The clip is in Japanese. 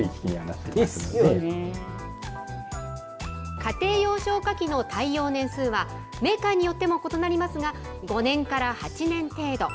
家庭用消火器の耐用年数は、メーカーによっても異なりますが、５年から８年程度。